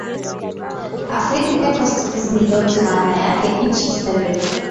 Afrika ya kaskazini yote maana yake nchi za leo